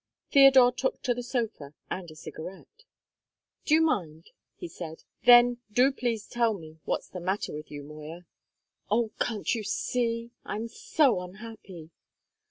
Theodore took to the sofa and a cigarette. "Do you mind?" he said. "Then do please tell me what's the matter with you, Moya!" "Oh, can't you see? I'm so unhappy!"